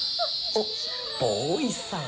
おっボウイさん。